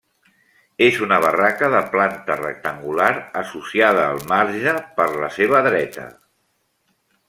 És una barraca de planta rectangular associada al marge per la seva dreta.